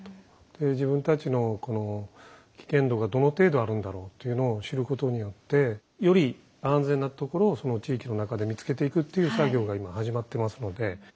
で自分たちのこの危険度がどの程度あるんだろうというのを知ることによってより安全なところをその地域の中で見つけていくっていう作業が今始まってますので。